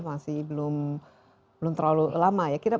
masih belum terlalu lama ya